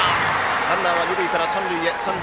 ランナーは二塁から三塁へ。